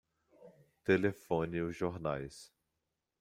Telefone os jornais.